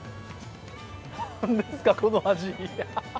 何ですか、この味！